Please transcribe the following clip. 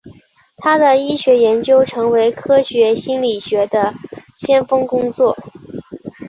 他的医学研究成为科学心理学的先锋工作。